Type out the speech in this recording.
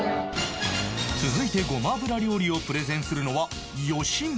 続いてごま油料理をプレゼンするのは吉村